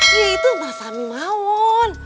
ya itu mas ami mawon